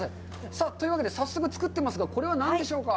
さあというわけで、早速つくってますが、これは何でしょうか？